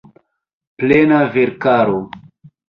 Plena verkaro.